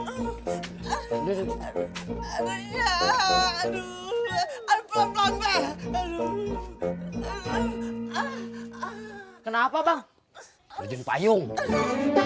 aduh iya aduh aduh pelan pelan pak aduh iya aduh aduh aduh aduh